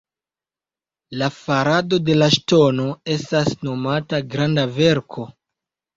La farado de la Ŝtono estas nomata Granda Verko.